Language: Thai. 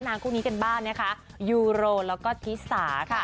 นางคู่นี้เป็นบ้านยูโรแล้วก็ธิสา